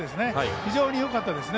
非常によかったですね